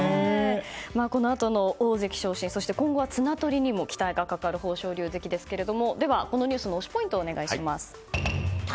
このあとの大関昇進今後は綱取りにも期待がかかる豊昇龍関ですがでは、このニュースの推しポイントをお願いします。